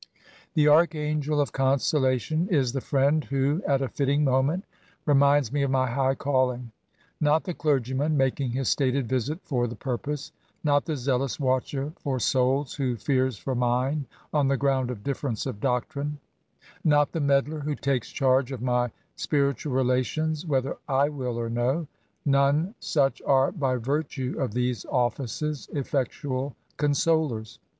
The archangel of consolation is the fiiend who, at a fitting moment, reminds me of my high caUing. Not the clergyman, making his stated visit for the purpose ; not the zealous watcher for souls, who fears for mine on the ground of difference of doc trine ; not the meddler, who takes charge of my spiritual relations whether I will or no : none such are, by virtue of these offices, effectual consolers.